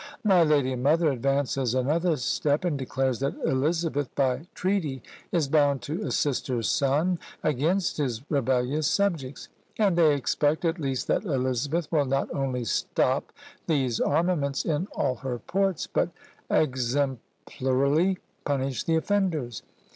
"My lady and mother" advances another step, and declares that Elizabeth by treaty is bound to assist her son against his rebellious subjects; and they expect, at least, that Elizabeth will not only stop these armaments in all her ports, but exemplarily punish the offenders.